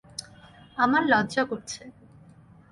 আমার লজ্জা করছে।